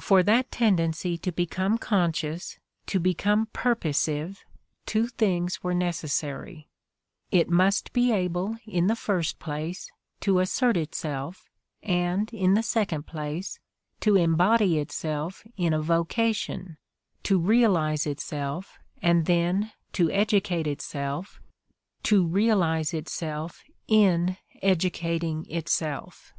For that tendency to become conscious, to become purposive, two things were neces sary : it must be able, in the first place, to assert itself and in the second place to embody itself in a vocation; to realize itself and then to educate itself, to realize itself in educating itself.